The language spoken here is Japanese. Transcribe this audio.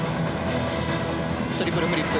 トリプルフリップ。